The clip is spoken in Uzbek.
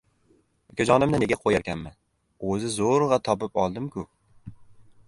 — Ukajonimni nega qo‘yarkanman?! O‘zim zo‘rg‘a topib oldim-ku!